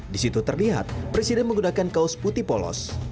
di situ terlihat presiden menggunakan kaos putih polos